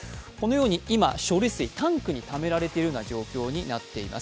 今、処理水はタンクにためられている状況になっています。